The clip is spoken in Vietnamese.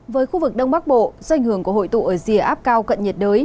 với khu vực đông bắc bộ do ảnh hưởng của hội tụ ở rìa áp cao cận nhiệt đới